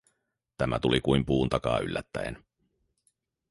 Tämä tuli kuin puun takaa yllättäen.